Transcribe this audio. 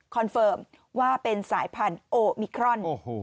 เฟิร์มว่าเป็นสายพันธุ์โอมิครอน